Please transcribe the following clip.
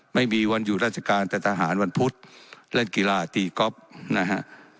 ไม่มีวันอยู่ราชการแต่ทหารวันพุธเล่นกีฬาตีก๊อฟนะฮะ